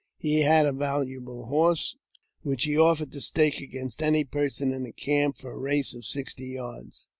He had a valuable horse, which he offered to stake against any person in the camp for a race of sixty yards.